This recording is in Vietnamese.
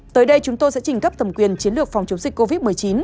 tới đây chúng tôi sẽ trình cấp tầm quyền chiến lược phòng chống dịch covid một mươi chín